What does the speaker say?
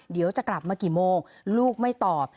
เดี๋ยวจะกลับมากี่โมงลูกไม่ตอบ